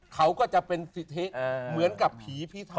เขาก็จะเป็นพิเทคเหมือนกับผีพิทักษ์